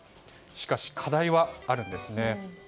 しかし、課題はあるんですね。